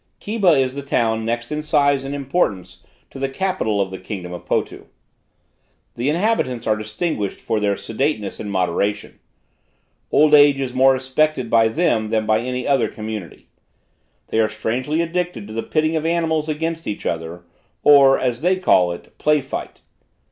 Keba is the town next in size and importance to the capital of the kingdom of Potu. The inhabitants are distinguished for their sedateness and moderation; old age is more respected by them than by any other community. They are strangely addicted to the pitting of animals against each other; or, as they call it, "play fight."